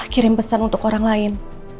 kirim pesan untuk orang lain